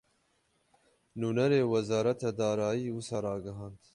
Nûnerê Wezareta Darayî, wisa ragihand